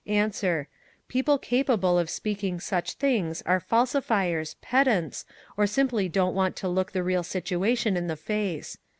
"Answer: People capable of speaking such things are falsifiers, pedants, or simply don't want to look the real situation in the face.